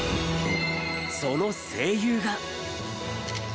その声優が。